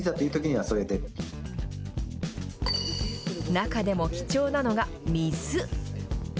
中でも貴重なのが水。